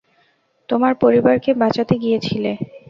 তোমার পরিবারকে বাঁচাতে গিয়েছিলে।